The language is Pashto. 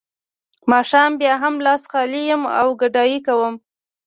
ماښام بیا هم لاس خالي یم او ګدايي کوم